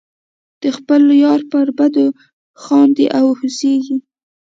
د خپل یار پر بدو خاندې او هوسیږم.